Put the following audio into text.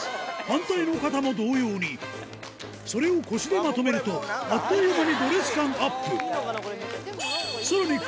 反対の肩も同様にそれを腰でまとめるとあっという間にドレス感アップ